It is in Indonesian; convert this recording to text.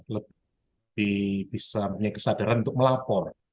lebih bisa punya kesadaran untuk melapor